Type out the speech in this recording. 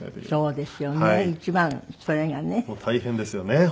そうですよね。